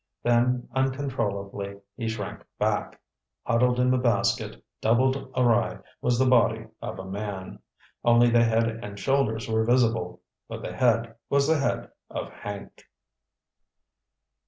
Then uncontrollably, he shrank back. Huddled in the basket, doubled awry, was the body of a man. Only the head and shoulders were visible. But the head was the head of Hank.